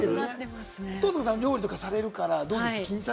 登坂さんは料理とかされるから、どうですか？